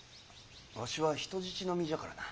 わしは人質の身じゃからな。